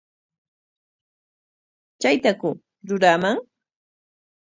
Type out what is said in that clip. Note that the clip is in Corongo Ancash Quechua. ¿Chaytaku ruraaman?